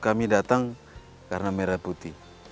kami datang karena merah putih